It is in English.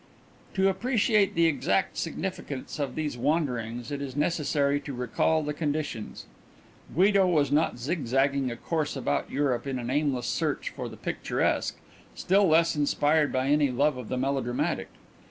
To appreciate the exact significance of these wanderings it is necessary to recall the conditions. Guido was not zigzagging a course about Europe in an aimless search for the picturesque, still less inspired by any love of the melodramatic.